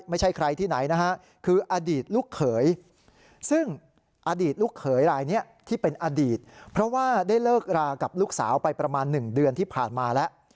ไม่ใช่ใครที่ไหนนะฮะคืออดีตลูกเขยซึ่งอดีตลูกเขยรายนี้ที่เป็นอดีตเพราะว่าได้เลิกรากับลูกสาวไปประมาณ๑เดือนที่ผ่านมาแล้ว